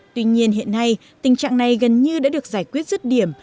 tuy nhiên hiện nay tình trạng này gần như đã được giải quyết rứt điểm